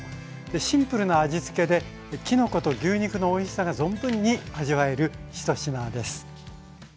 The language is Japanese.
シンプルな味つけできのこと牛肉のおいしさが存分に味わえる一品です。